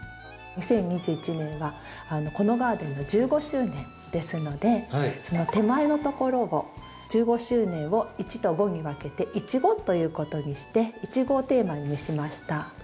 ２０２１年はこのガーデンの１５周年ですので手前のところを１５周年を「１」と「５」に分けて「イチゴ」ということにしてイチゴをテーマにしました。